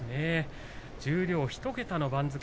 十両１桁の番付